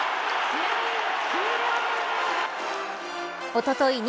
おととい